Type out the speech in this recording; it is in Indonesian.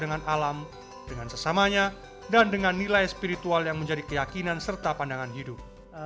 dengan alam dengan sesamanya dan dengan nilai spiritual yang menjadi keyakinan serta pandangan hidup